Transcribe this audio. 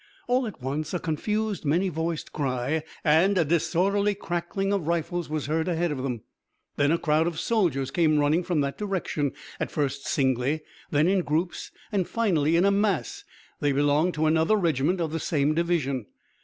All at once a confused many voiced cry and a disorderly crackling of rifles was heard ahead of them; then a crowd of soldiers came running from that direction, at first singly, then in groups, and finally in a mass. They belonged to another regiment of the same division.